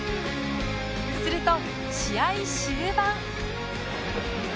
すると試合終盤